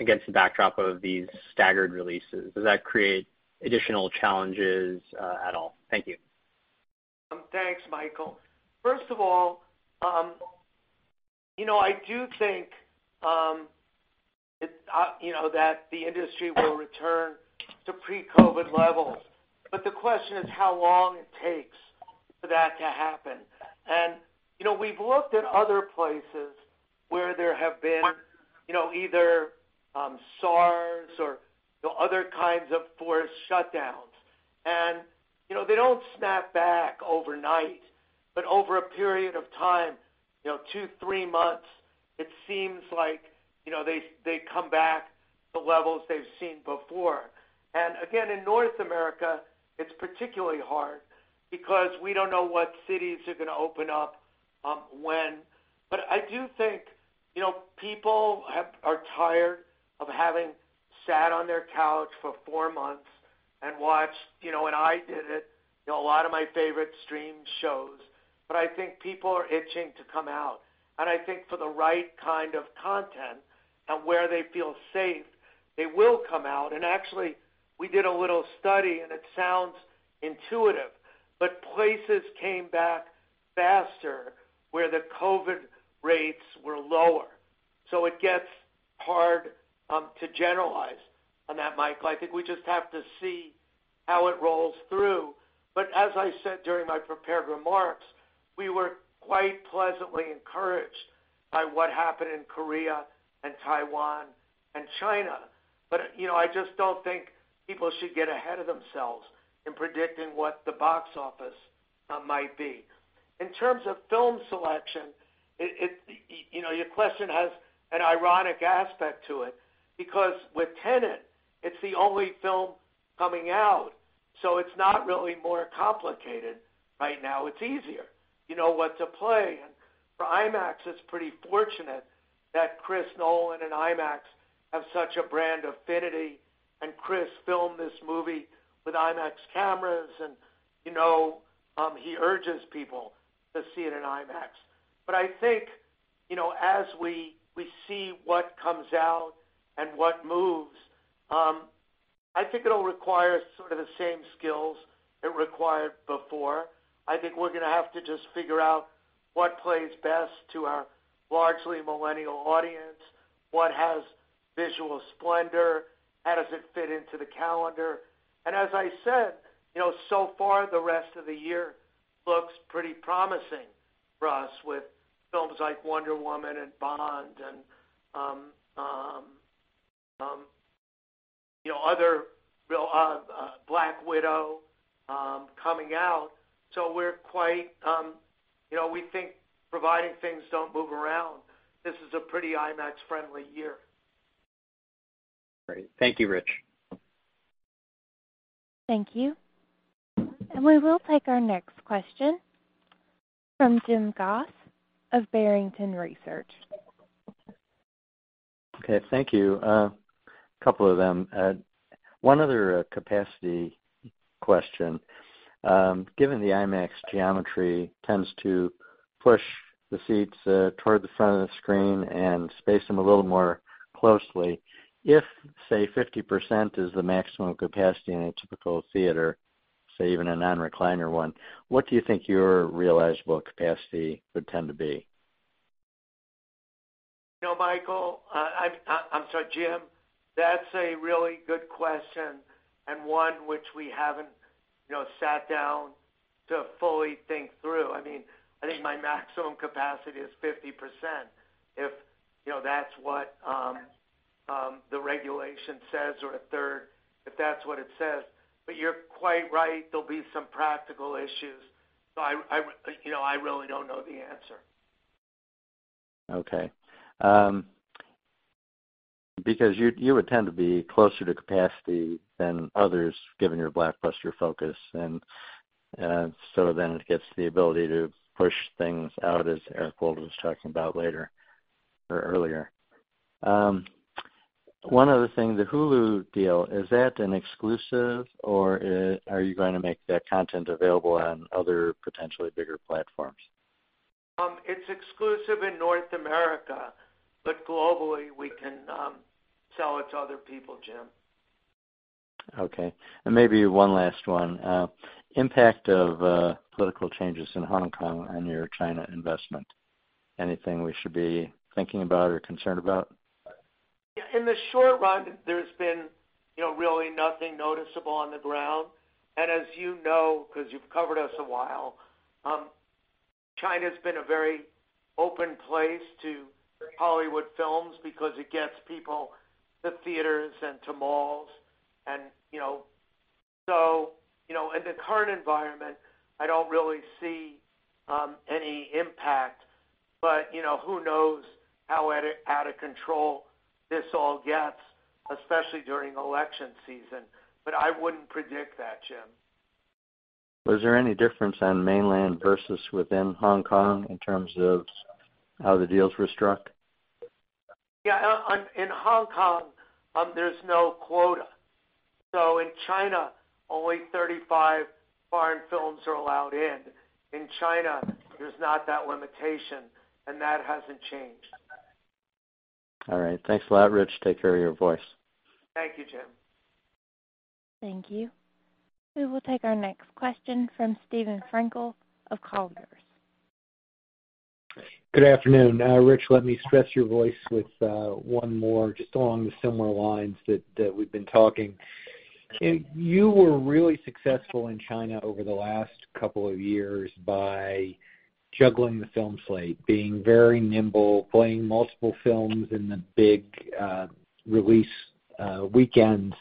against the backdrop of these staggered releases. Does that create additional challenges at all? Thank you. Thanks, Michael. First of all, I do think that the industry will return to pre-COVID levels, but the question is how long it takes for that to happen. And we've looked at other places where there have been either SARS or other kinds of forced shutdowns. And they don't snap back overnight, but over a period of time, two, three months, it seems like they come back to levels they've seen before. And again, in North America, it's particularly hard because we don't know what cities are going to open up when. But I do think people are tired of having sat on their couch for four months and watched, and I did it, a lot of my favorite streaming shows. But I think people are itching to come out. And I think for the right kind of content and where they feel safe, they will come out. And actually, we did a little study, and it sounds intuitive, but places came back faster where the COVID rates were lower. So it gets hard to generalize on that, Michael. I think we just have to see how it rolls through. But as I said during my prepared remarks, we were quite pleasantly encouraged by what happened in Korea and Taiwan and China. But I just don't think people should get ahead of themselves in predicting what the box office might be. In terms of film selection, your question has an ironic aspect to it because with Tenet, it's the only film coming out. So it's not really more complicated right now. It's easier. You know what to play. And for IMAX, it's pretty fortunate that Chris Nolan and IMAX have such a brand affinity. And Chris filmed this movie with IMAX cameras, and he urges people to see it in IMAX. But I think as we see what comes out and what moves, I think it'll require sort of the same skills it required before. I think we're going to have to just figure out what plays best to our largely millennial audience, what has visual splendor, how does it fit into the calendar. And as I said, so far, the rest of the year looks pretty promising for us with films like Wonder Woman and Bond and other Black Widow coming out. So we're quite, we think providing things don't move around. This is a pretty IMAX-friendly year. Great. Thank you, Rich. Thank you. And we will take our next question from Jim Goss of Barrington Research. Okay. Thank you. A couple of them. One other capacity question. Given the IMAX geometry tends to push the seats toward the front of the screen and space them a little more closely, if, say, 50% is the maximum capacity in a typical theater, say, even a non-recliner one, what do you think your realizable capacity would tend to be? You know, Michael, I'm sorry, Jim, that's a really good question and one which we haven't sat down to fully think through. I mean, I think my maximum capacity is 50% if that's what the regulation says or a third if that's what it says. But you're quite right. There'll be some practical issues. So I really don't know the answer. Okay. Because you would tend to be closer to capacity than others given your blockbuster focus. And so then it gets the ability to push things out, as Eric Wold was talking about later or earlier. One other thing, the Hulu deal, is that an exclusive, or are you going to make that content available on other potentially bigger platforms? It's exclusive in North America, but globally, we can sell it to other people, Jim. Okay. And maybe one last one. Impact of political changes in Hong Kong on your China investment? Anything we should be thinking about or concerned about? Yeah. In the short run, there's been really nothing noticeable on the ground, and as you know, because you've covered us a while, China has been a very open place to Hollywood films because it gets people to theaters and to malls, and so in the current environment, I don't really see any impact, but who knows how out of control this all gets, especially during election season, but I wouldn't predict that, Jim. Was there any difference on mainland versus within Hong Kong in terms of how the deals were struck? Yeah. In Hong Kong, there's no quota. So in China, only 35 foreign films are allowed in. In Hong Kong, there's not that limitation, and that hasn't changed. All right. Thanks a lot, Rich. Take care of your voice. Thank you, Jim. Thank you. We will take our next question from Steven Frankel of Colliers Securities. Good afternoon. Rich, let me stress your voice with one more just along the similar lines that we've been talking. You were really successful in China over the last couple of years by juggling the film slate, being very nimble, playing multiple films in the big release weekends.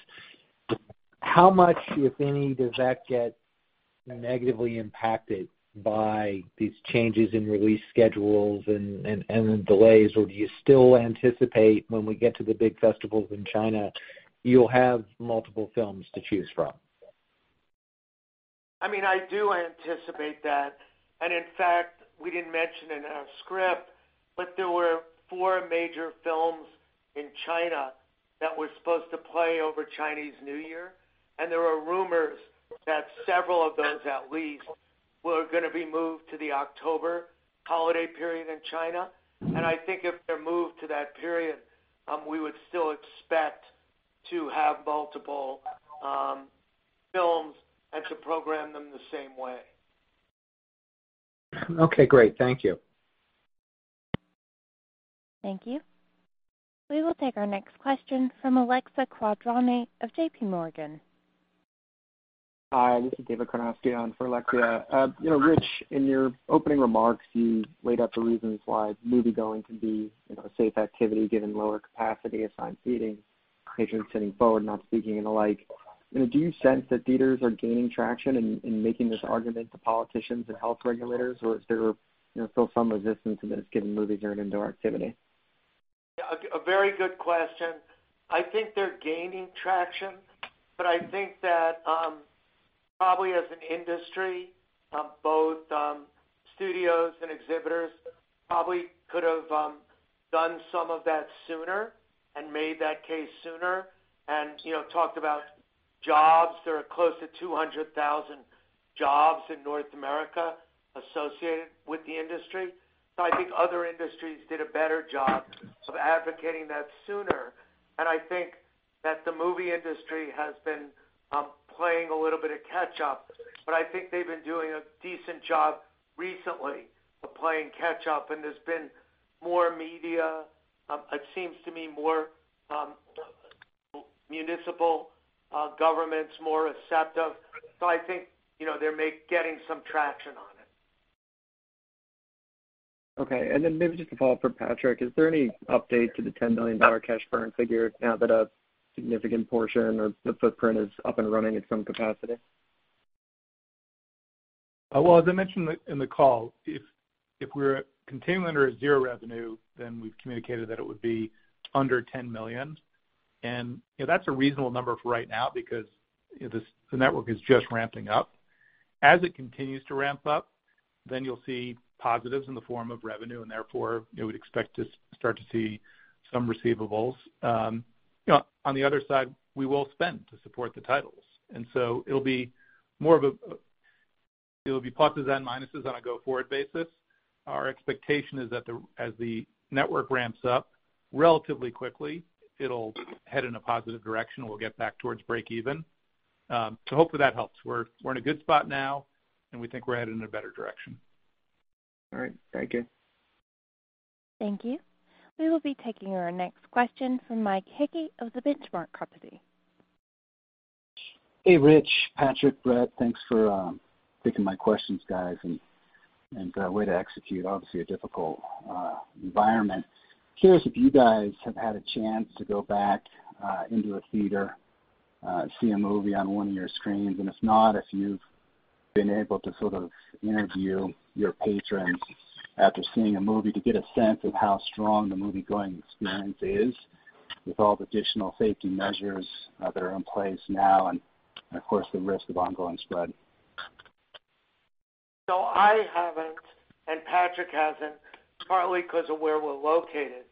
How much, if any, does that get negatively impacted by these changes in release schedules and the delays? Or do you still anticipate when we get to the big festivals in China, you'll have multiple films to choose from? I mean, I do anticipate that. And in fact, we didn't mention it in our script, but there were four major films in China that were supposed to play over Chinese New Year. And there are rumors that several of those, at least, were going to be moved to the October holiday period in China. And I think if they're moved to that period, we would still expect to have multiple films and to program them the same way. Okay. Great. Thank you. Thank you. We will take our next question from Alexia Quadrani of J.P. Morgan. Hi. This is David Karnovsky on for Alexia. Rich, in your opening remarks, you laid out the reasons why movie-going can be a safe activity given lower capacity, assigned seating, patrons sitting forward, not speaking, and the like. Do you sense that theaters are gaining traction in making this argument to politicians and health regulators, or is there still some resistance in this given movies are an indoor activity? Yeah. A very good question. I think they're gaining traction, but I think that probably as an industry, both studios and exhibitors probably could have done some of that sooner and made that case sooner and talked about jobs. There are close to 200,000 jobs in North America associated with the industry. So I think other industries did a better job of advocating that sooner. And I think that the movie industry has been playing a little bit of catch-up. But I think they've been doing a decent job recently of playing catch-up. And there's been more media, it seems to me, more municipal governments, more receptive. So I think they're getting some traction on it. Okay. And then maybe just a follow-up for Patrick. Is there any update to the $10 million cash burn figure now that a significant portion of the footprint is up and running in some capacity? Well, as I mentioned in the call, if we're continuing under a zero revenue, then we've communicated that it would be under 10 million. And that's a reasonable number for right now because the network is just ramping up. As it continues to ramp up, then you'll see positives in the form of revenue, and therefore, we'd expect to start to see some receivables. On the other side, we will spend to support the titles. And so it'll be more of a, it'll be pluses and minuses on a go-forward basis. Our expectation is that as the network ramps up relatively quickly, it'll head in a positive direction. We'll get back towards break-even. So hopefully, that helps. We're in a good spot now, and we think we're headed in a better direction. All right. Thank you. Thank you. We will be taking our next question from Mike Hickey of The Benchmark Company. Hey, Rich, Patrick, Brett, thanks for taking my questions, guys, and a way to execute, obviously, a difficult environment. Curious if you guys have had a chance to go back into a theater, see a movie on one of your screens? And if not, if you've been able to sort of interview your patrons after seeing a movie to get a sense of how strong the movie-going experience is with all the additional safety measures that are in place now and, of course, the risk of ongoing spread. No, I haven't, and Patrick hasn't, partly because of where we're located.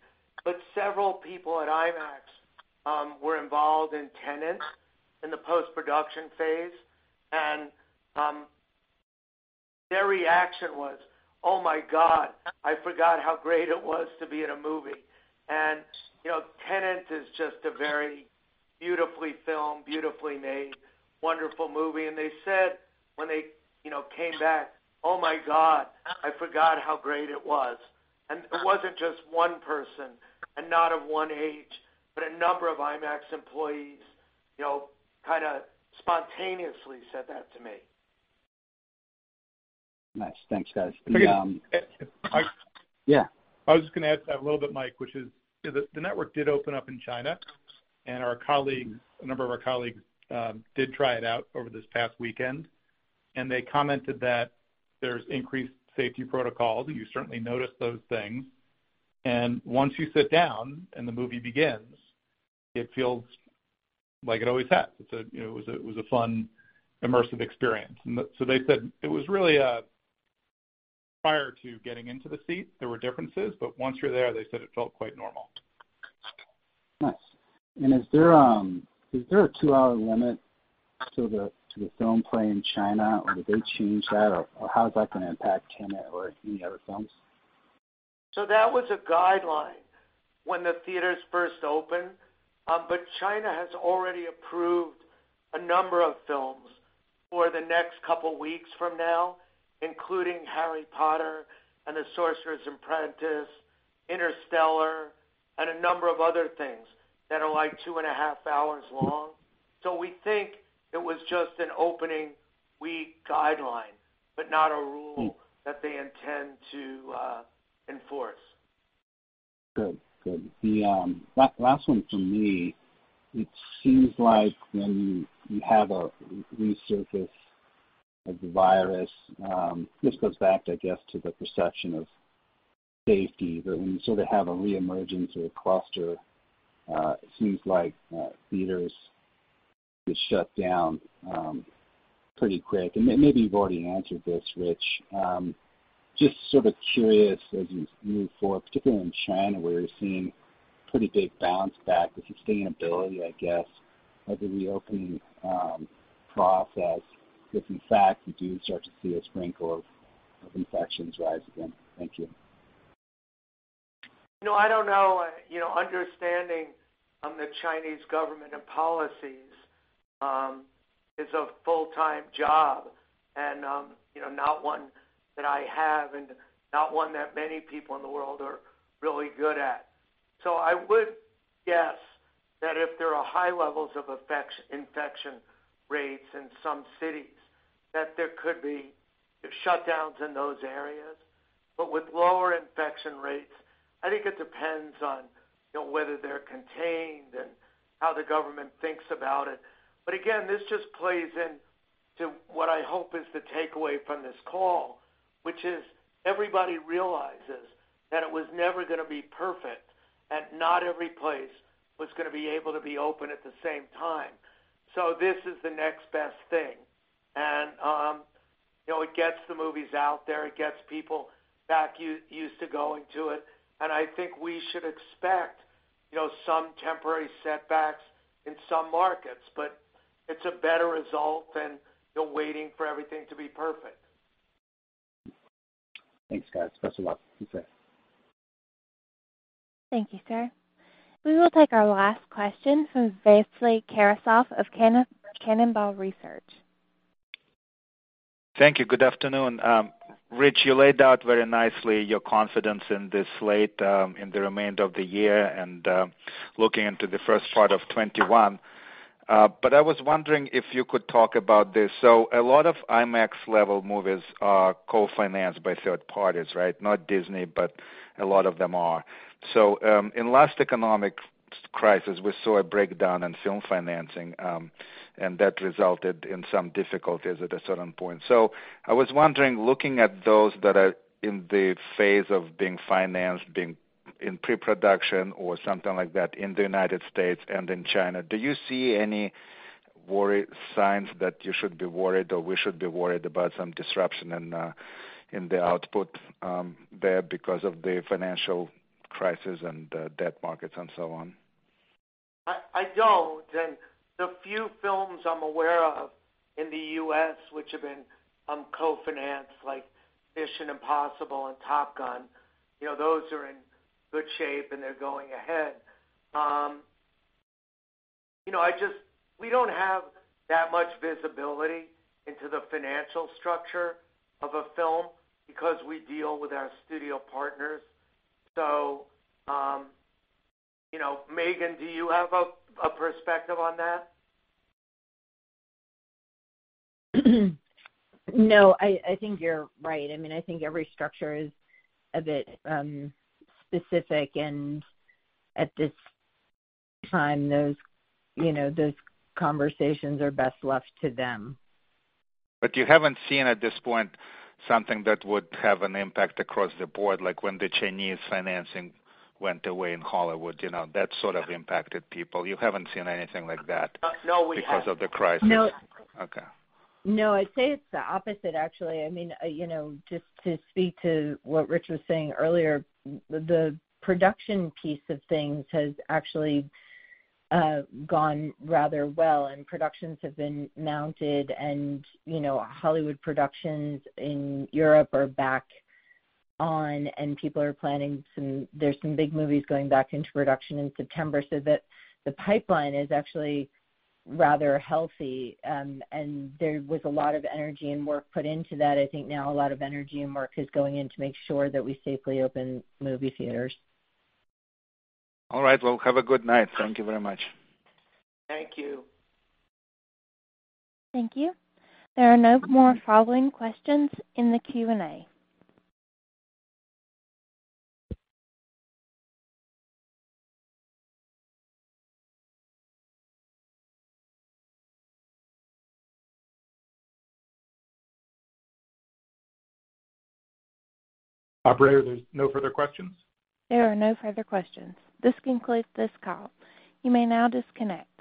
But several people at IMAX were involved in Tenet in the post-production phase, and their reaction was, "Oh my God, I forgot how great it was to be in a movie." And Tenet is just a very beautifully filmed, beautifully made, wonderful movie. And they said when they came back, "Oh my God, I forgot how great it was." And it wasn't just one person and not of one age, but a number of IMAX employees kind of spontaneously said that to me. Nice. Thanks, guys. Yeah. I was just going to add to that a little bit, Mike, which is the network did open up in China, and a number of our colleagues did try it out over this past weekend. And they commented that there's increased safety protocols. You certainly notice those things. And once you sit down and the movie begins, it feels like it always has. It was a fun, immersive experience. And so they said it was really prior to getting into the seat, there were differences. But once you're there, they said it felt quite normal. Nice. And is there a two-hour limit to the film play in China, or did they change that? Or how is that going to impact Tenet or any other films? So that was a guideline when the theaters first opened. But China has already approved a number of films for the next couple of weeks from now, including Harry Potter and the Sorcerer's Apprentice, Interstellar, and a number of other things that are like two and a half hours long. So we think it was just an opening week guideline, but not a rule that they intend to enforce. Good. Good. The last one for me, it seems like when you have a resurface of the virus, this goes back, I guess, to the perception of safety. But when you sort of have a reemergence of a cluster, it seems like theaters get shut down pretty quick. Maybe you've already answered this, Rich. Just sort of curious as you move forward, particularly in China, where you're seeing pretty big bounce back with sustainability, I guess, of the reopening process, if in fact you do start to see a sprinkle of infections rise again. Thank you. No, I don't know. Understanding the Chinese government and policies is a full-time job and not one that I have and not one that many people in the world are really good at. So I would guess that if there are high levels of infection rates in some cities, that there could be shutdowns in those areas. But with lower infection rates, I think it depends on whether they're contained and how the government thinks about it. But again, this just plays into what I hope is the takeaway from this call, which is everybody realizes that it was never going to be perfect and not every place was going to be able to be open at the same time. So this is the next best thing. And it gets the movies out there. It gets people back used to going to it. And I think we should expect some temporary setbacks in some markets, but it's a better result than waiting for everything to be perfect. Thanks, guys. Best of luck. You too. Thank you, sir. We will take our last question from Vasily Karasyov of Cannonball Research. Thank you. Good afternoon. Rich, you laid out very nicely your confidence in this slate in the remainder of the year and looking into the first part of 2021. But I was wondering if you could talk about this. So a lot of IMAX-level movies are co-financed by third parties, right? Not Disney, but a lot of them are. So in the last economic crisis, we saw a breakdown in film financing, and that resulted in some difficulties at a certain point. So I was wondering, looking at those that are in the phase of being financed, being in pre-production or something like that in the United States and in China, do you see any worry signs that you should be worried or we should be worried about some disruption in the output there because of the financial crisis and debt markets and so on? I don't. And the few films I'm aware of in the U.S. which have been co-financed, like Mission: Impossible and Top Gun, those are in good shape, and they're going ahead. We don't have that much visibility into the financial structure of a film because we deal with our studio partners. So Megan, do you have a perspective on that? No. I think you're right. I mean, I think every structure is a bit specific, and at this time, those conversations are best left to them. But you haven't seen at this point something that would have an impact across the board, like when the Chinese financing went away in Hollywood. That sort of impacted people. You haven't seen anything like that because of the crisis. No. No. I'd say it's the opposite, actually. I mean, just to speak to what Rich was saying earlier, the production piece of things has actually gone rather well, and productions have been mounted, and Hollywood productions in Europe are back on, and people are planning some, there's some big movies going back into production in September. So the pipeline is actually rather healthy, and there was a lot of energy and work put into that. I think now a lot of energy and work is going in to make sure that we safely open movie theaters. All right. Well, have a good night. Thank you very much. Thank you. Thank you. There are no more following questions in the Q&A. Operator, there's no further questions? There are no further questions. This concludes this call. You may now disconnect.